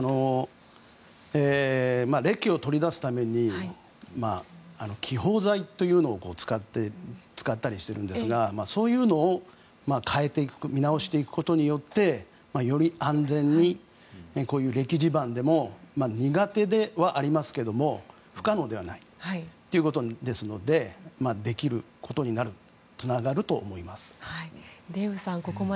礫を取り出すために気泡材というのを使ったりしているんですがそういうのを変えていく見直していくことによってより安全にこういう礫地盤でも苦手ではありますが不可能ではないということですのでできることにつながると思います。